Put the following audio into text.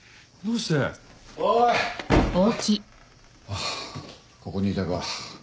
あここにいたか。